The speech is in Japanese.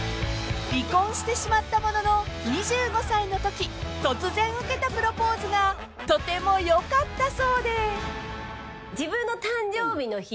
［離婚してしまったものの２５歳のとき突然受けたプロポーズがとてもよかったそうで］